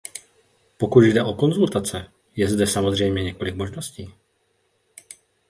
Pokud jde o konzultace, je zde samozřejmě několik možností.